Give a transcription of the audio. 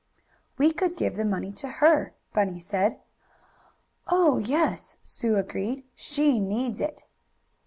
"We could give the money to her," Bunny said. "Oh, yes!" Sue agreed. "She needs it."